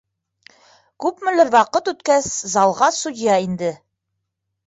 Күпмелер ваҡыт үткәс, залға судья инде.